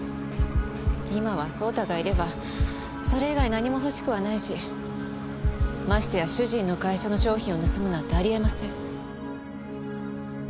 今は蒼太がいればそれ以外何も欲しくはないしましてや主人の会社の商品を盗むなんてあり得ません。